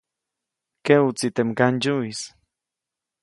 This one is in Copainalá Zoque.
Keʼuʼtsi teʼ mgandsyuʼis.